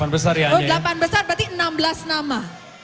oh delapan besar berarti enam belas nama